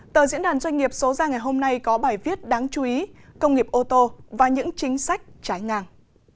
tờ diễn đàn doanh nghiệp số ra ngày hôm nay có bài viết đáng chú ý công nghiệp ô tô và những chính sách trái ngang